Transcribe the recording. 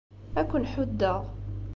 Ad ken-ḥuddeɣ.